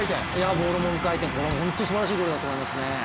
ボールも無回転、本当にすごいゴールだと思いますね。